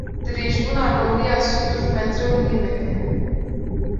Dirêjbûna roviya stûr metre û nîvek e.